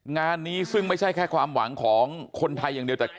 งานนี้ซึ่งไม่ใช่แค่ความหวังของคนไทยอย่างเดียวแต่